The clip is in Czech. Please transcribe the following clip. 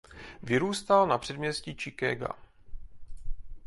Vyrůstal na předměstí Chicaga.